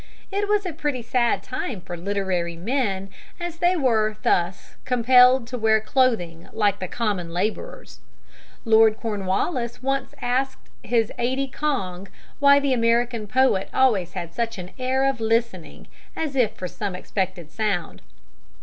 It was a pretty sad time for literary men, as they were thus compelled to wear clothing like the common laborers. Lord Cornwallis once asked his aidy kong why the American poet always had such an air of listening as if for some expected sound.